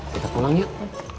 kita pulang yuk